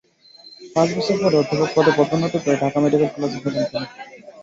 পাঁচ বছর পরে অধ্যাপক পদে পদোন্নতি পেয়ে ঢাকা মেডিকেল কলেজে ফেরেন তিনি।